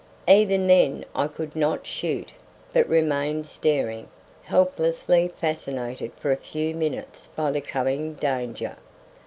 Even then I could not shoot, but remained staring, helplessly fascinated for a few minutes by the coming danger.